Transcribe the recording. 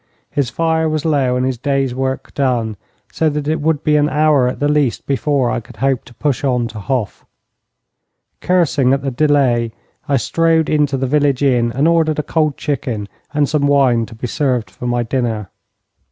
His fire was low, and his day's work done, so that it would be an hour at the least before I could hope to push on to Hof. Cursing at the delay, I strode into the village inn and ordered a cold chicken and some wine to be served for my dinner.